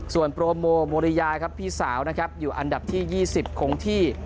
ส่วนโปรโมโมริยาครับพี่สาวนะครับอยู่อันดับที่๒๐คงที่